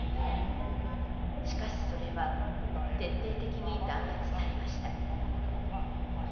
しかし、それは徹底的に弾圧されました。